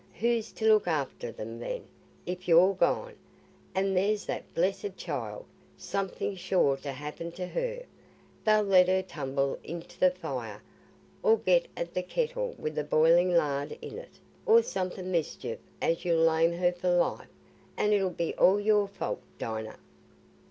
Who's to look after 'em then, if you're gone? An' there's that blessed child—something's sure t' happen to her—they'll let her tumble into the fire, or get at the kettle wi' the boiling lard in't, or some mischief as 'ull lame her for life; an' it'll be all your fault, Dinah."